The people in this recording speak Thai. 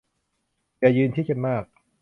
อย่ายืนชิดกันมาก